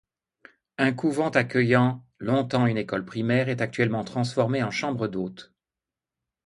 Un couvent accueillant longtemps une école primaire est actuellement transformé en chambre d'hôtes.